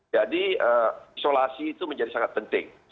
jadi isolasi itu menjadi sangat penting